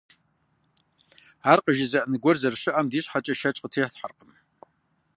Ар къажезыӀэн гуэр зэрыщыӀэм ди щхьэкӀэ шэч къытетхьэркъым.